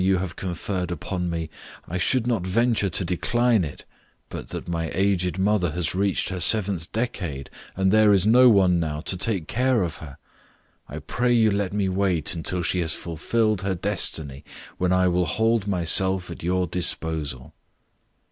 3 you have conferred upon me, I should not venture to decline it but that my aged mother has reached her seventh decade, and there is no one now to take care of her. I pray you let me wait until she has fulfilled her destiny, when I will hold myself at your disposal."